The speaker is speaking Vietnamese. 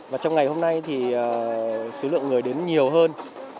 và trong ngày hôm nay thì số lượng người đến nhiều hơn